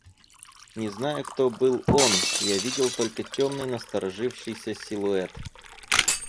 Не знаю, кто был он: я видел только темный насторожившийся силуэт.